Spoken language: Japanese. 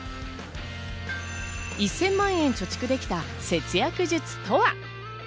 １０００万円貯蓄できた節約術とは？